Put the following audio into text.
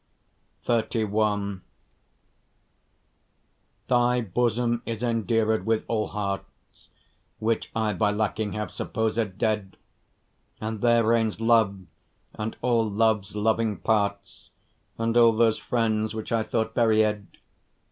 XXXI Thy bosom is endeared with all hearts, Which I by lacking have supposed dead; And there reigns Love, and all Love's loving parts, And all those friends which I thought buried.